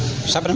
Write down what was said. pak woli kota ya